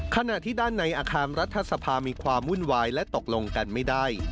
ขณะที่ด้านในอาคารรัฐสภามีความวุ่นวายและตกลงกันไม่ได้